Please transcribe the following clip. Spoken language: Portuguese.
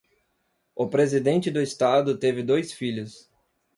O presidente do estado teve dois filhos.